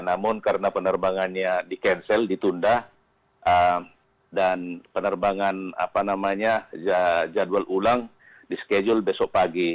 namun karena penerbangannya di cancel ditunda dan penerbangan jadwal ulang di schedule besok pagi